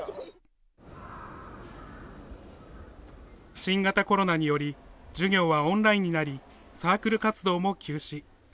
新型コロナにより授業はオンラインになりサークル活動も休止。